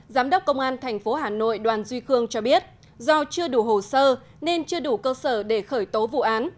giám đốc công an tp hà nội đoàn duy khương cho biết do chưa đủ hồ sơ nên chưa đủ cơ sở để khởi tố vụ án